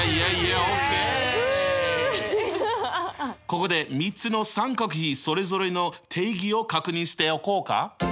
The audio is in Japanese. ここで３つの三角比それぞれの定義を確認しておこうか。